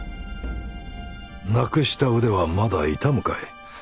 無くした腕はまだ痛むかい？